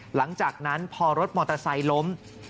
หลังจากนั้นพอรถมอเตอร์ไซค์ล้ม